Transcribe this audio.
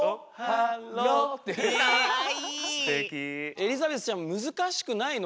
エリザベスちゃんむずかしくないの？